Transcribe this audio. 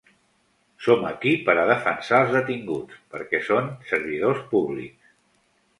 Som aquí per a defensar els detinguts perquè són servidors públics.